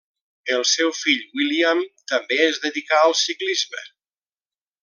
El seu fill William també es dedicà al ciclisme.